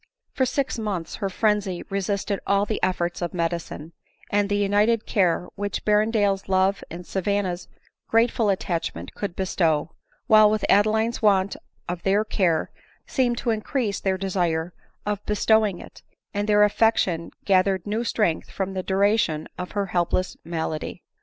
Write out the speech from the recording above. For six months her frenzy resisted all the efforts of medicine, and the united care which Ber rendale's love and Savanna's grateful attachment could bestow; while with Adeline's want of their care seemed to increase their desire of bestowing it, and their affection gathered new strength from the duration of her helpless malady.